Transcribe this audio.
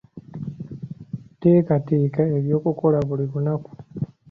Teekateeka eby'okukola buli lunaku.